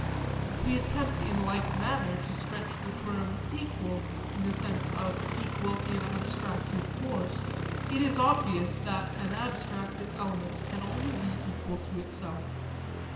If we attempt in like manner to stretch the term 'equal' in the sense of 'equal in abstractive force,' it is obvious that an abstractive element can only be equal to itself.